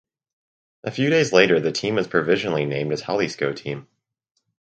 A few days later the team was provisionally named as "Jalisco team".